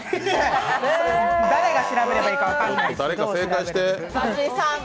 それ、誰が調べればいいか分からないし。